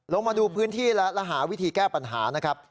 ลงมาดูพื้นที่และหาวิธีแก้ปัญหานะครับ